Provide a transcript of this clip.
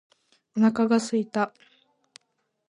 お腹が空いた。